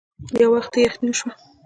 يو وخت يې يخنې وشوه.